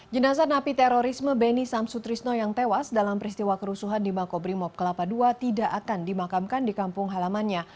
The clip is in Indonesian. jenazah napi terorisme beni samsutrisno yang tewas dalam peristiwa kerusuhan di makobrimob kelapa ii tidak akan dimakamkan di kampung halamannya